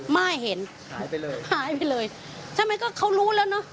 ไม่เห็นหายไปเลยหายไปเลยใช่ไหมก็เขารู้แล้วเนอะ